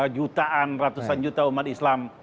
jutaan ratusan juta umat islam